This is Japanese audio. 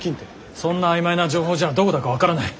そんな曖昧な情報じゃどこだか分からない。